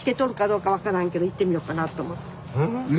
え？